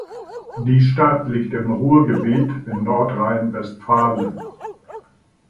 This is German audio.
Die Stadt liegt im Ruhrgebiet in Nordrhein-Westfalen.